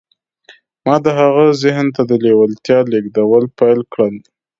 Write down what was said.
ما د هغه ذهن ته د لېوالتیا لېږدول پیل کړل